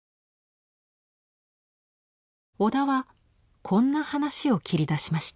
小田はこんな話を切り出しました。